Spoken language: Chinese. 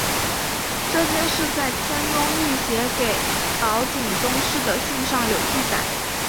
这件事在千宗易写给岛井宗室的信上有记载。